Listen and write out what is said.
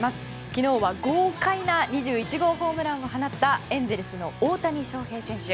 昨日は豪快な２１号ホームランを放ったエンゼルスの大谷翔平選手。